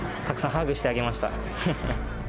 たくさんハグしてあげました。